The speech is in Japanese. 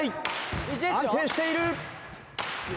安定している！